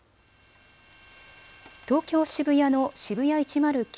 東京渋谷のＳＨＩＢＵＹＡ１０９